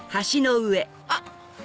あっ！